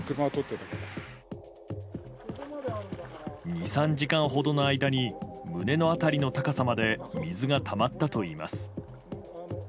２３時間ほどの間に胸の辺りの高さまで水がたまったといいます。